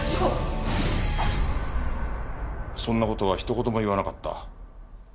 そんな事は一言も言わなかった。